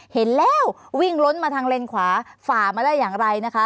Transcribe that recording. เห็นแล้ววิ่งล้นมาทางเลนขวาฝ่ามาได้อย่างไรนะคะ